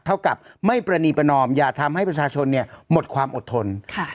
เท่ากับไม่ประนีประนอมอย่าทำให้ประชาชนหมดความอดทน